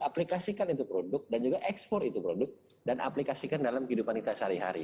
aplikasikan itu produk dan juga ekspor itu produk dan aplikasikan dalam kehidupan kita sehari hari